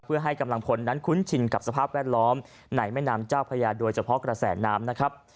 เพื่อให้กำลังพลนั้นคุ้นชินกับสภาพแวดล้อมในแม่น้ำเจ้าพญาโดยเฉพาะกระแสน้ำนะครับ